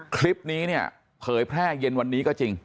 คลิปนี้เนี่ยเผยแพร่เย็นวันนี้ก็จริง